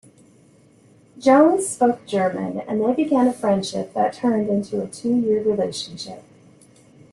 Jones spoke German and they began a friendship that turned into two-year relationship.